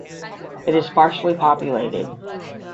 It is sparsely populated.